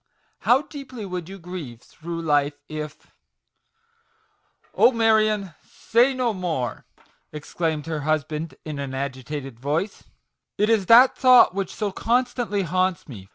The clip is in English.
How deeply you would grieve through life if "" Oh, Marion, say no more !" exclaimed her husband in an agitated voice, " it is that thought which so constantly haunts me.